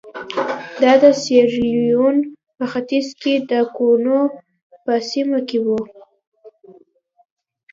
دا د سیریلیون په ختیځ کې د کونو په سیمه کې وو.